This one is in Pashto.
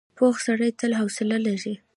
پوخ سړی تل حوصله لري